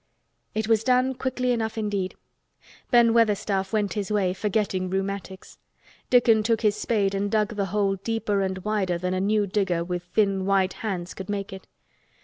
It was done quickly enough indeed. Ben Weatherstaff went his way forgetting rheumatics. Dickon took his spade and dug the hole deeper and wider than a new digger with thin white hands could make it.